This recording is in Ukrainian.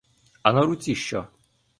А на руці що?